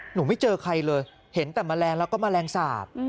ไม่เจอใครเลยเห็นแต่แมลงแล้วก็แมลงสาป